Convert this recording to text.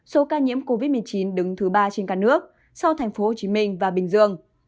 số ca nhiễm covid một mươi chín đứng thứ ba trên cả nước sau thành phố hồ chí minh và bình dương